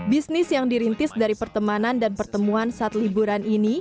bisnis yang dirintis dari pertemanan dan pertemuan saat liburan ini